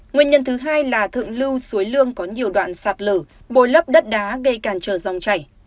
nguyên nhân thứ hai là thượng lưu suối lương có nhiều đoạn sạt lở bồi lấp đất đá gây càn trở dòng chảy